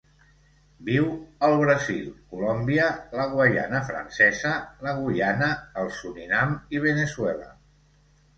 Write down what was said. Viu al Brasil, Colòmbia, la Guaiana Francesa, la Guyana, el Surinam i Veneçuela.